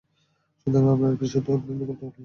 সুতরাং আপনার বিষয়টি আমার নিকট খুলে বলবেন কি?